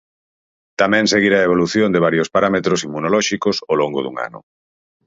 Tamén seguirá a evolución de varios parámetros inmunolóxicos ao longo dun ano.